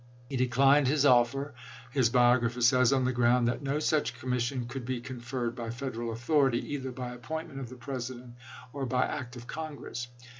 He declined the offer, his biographer says, " on the ground that no such commission could be conferred by Federal authority, either by appointment of the President or by act of Congress."